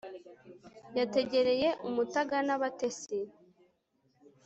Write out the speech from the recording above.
yategereye umutaga n'abatesi